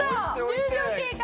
１０秒経過。